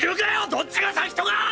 どっちが先とか！！